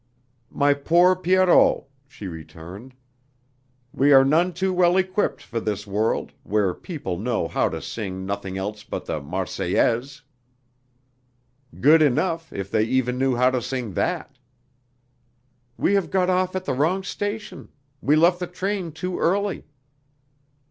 "My poor Pierrot," she returned, "we are none too well equipped for this world, where people know how to sing nothing else but the Marseillaise!..." "Good enough if they even knew how to sing that!" "We have got off at the wrong station, we left the train too early."